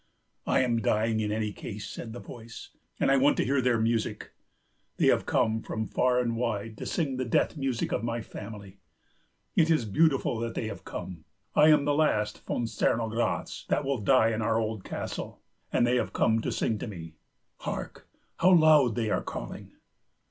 "I am dying in any case," said the voice, "and I want to hear their music. They have come from far and wide to sing the death music of my family. It is beautiful that they have come; I am the last von Cernogratz that will die in our old castle, and they have come to sing to me. Hark, how loud they are calling!"